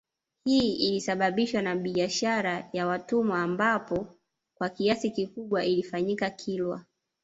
Hii ilisababishwa na bishara ya watumwa ambapo kwa kiasi kikubwa ilifanyika Kilwa